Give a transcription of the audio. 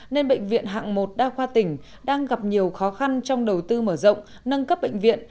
nên bệnh viện hạng một đa khoa tỉnh đang gặp nhiều khó khăn trong đầu tư mở rộng nâng cấp bệnh viện